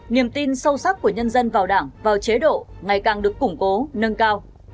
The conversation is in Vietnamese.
niềm tin sâu sắc của nhân dân vào đảng vào chế độ ngày càng được củng cố nâng cao